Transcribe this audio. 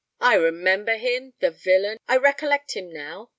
"I remember him—the villain!—I recollect him now!"